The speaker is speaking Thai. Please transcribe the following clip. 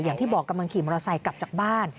อย่างที่บอกกำลังขี่มอเตอร์ไซค์กลับจากบ้าน